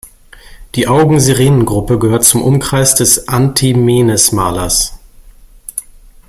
Die Augen-Sirenen-Gruppe gehört zum Umkreis des Antimenes-Malers.